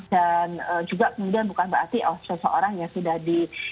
dan juga kemudian bukan berarti seseorang yang sudah di